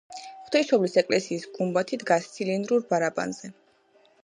ღვთისმშობლის ეკლესიის გუმბათი დგას ცილინდრულ ბარაბანზე.